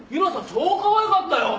超かわいかったよ！なあ？